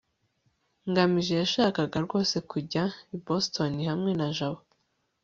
ngamije yashakaga rwose kujya i boston hamwe na jabo